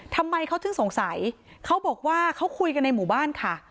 ทำไมเขาถึงสงสัยเขาบอกว่าเขาคุยกันในหมู่บ้านค่ะ